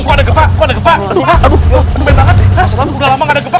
kau ada gepa kau ada gepa